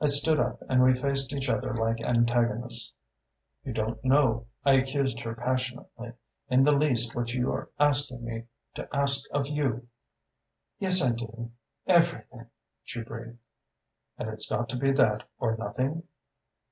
"I stood up and we faced each other like antagonists. 'You don't know,' I accused her passionately, 'in the least what you're asking me to ask of you!' "'Yes, I do: everything,' she breathed. "'And it's got to be that or nothing?